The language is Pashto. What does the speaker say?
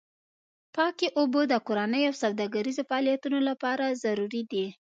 پاکې اوبه د کورنیو او سوداګریزو فعالیتونو لپاره ضروري دي.